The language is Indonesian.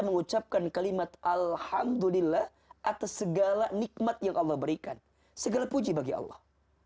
mengucapkan kalimat alhamdulillah atas segala nikmat yang allah berikan segala puji bagi allah